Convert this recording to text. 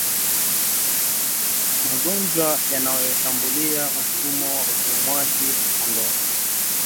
Magonjwa yanayoshambulia mfumo wa upumuaji kwa kondoo